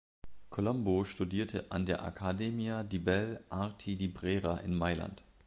Colombo studierte an der Accademia di Belle Arti di Brera in Mailand.